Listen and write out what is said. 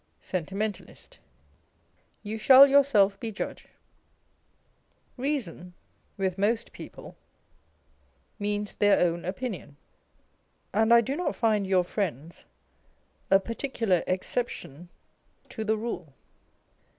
Sentimentalist. You shall yourself be judge. Eeason, The Ntw School of Eeform. 203 â€¢with most people, means their own opinion ; and I do not find your friends, a particular exception to the rule.